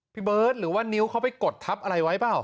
พี่เบิร์ตหรือว่านิ้วเขาไปกดทับอะไรไว้เปล่า